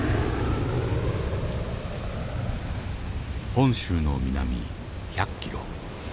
本州の南１００ｋｍ。